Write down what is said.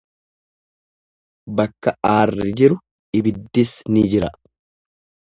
Bakka aarri jiru ibiddis ni jira.